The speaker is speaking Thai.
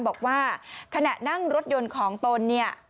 บอกว่าขณะนั่งรถยนต์ของโตน